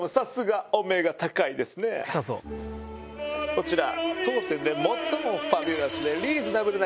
こちら。